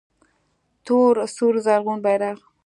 تور سور زرغون بیرغ